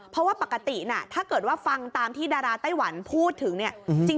เพราะว่าปกตินะถ้าเกิดว่าฟังตามที่ดาราไต้หวันพูดถึงเนี่ย